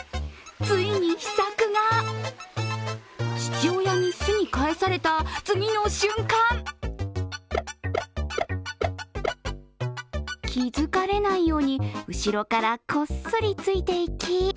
ついに秘策が父親に巣に帰された次の瞬間気づかれないように、後ろからこっそりついていき